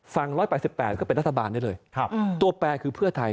๑๘๘ก็เป็นรัฐบาลได้เลยตัวแปลคือเพื่อไทย